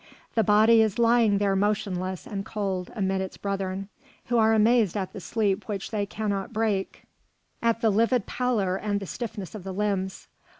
The body is lying there motionless and cold amid its brethren, who are amazed at the sleep which they cannot break, at the livid pallor and the stiffness of the limbs.